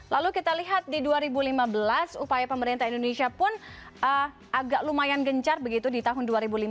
lalu kita lihat di dua ribu lima belas upaya pemerintah indonesia pun agak lumayan gencar begitu di tahun dua ribu lima belas